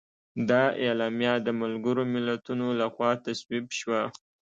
دا اعلامیه د ملګرو ملتونو لخوا تصویب شوه.